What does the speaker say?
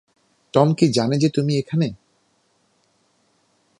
Tom কি জানে যে তুমি এখানে?